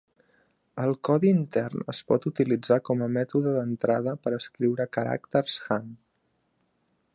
El codi intern es pot utilitzar com a mètode d'entrada per escriure caràcters Han.